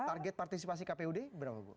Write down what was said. target partisipasi kpud berapa bu